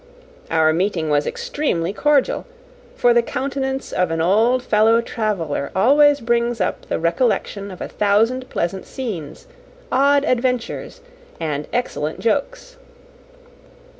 Our meeting was extremely cordial; for the countenance of an old fellow traveller always brings up the recollection of a thousand pleasant scenes, odd adventures, and excellent jokes.